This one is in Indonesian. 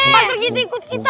pasik ginti ikut kita